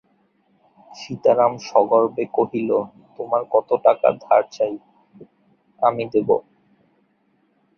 সীতারাম সগর্বে কহিল, তোমার কত টাকা ধার চাই, আমি দিব।